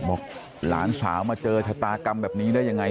บอกหลานสาวมาเจอชะตากรรมแบบนี้ได้ยังไง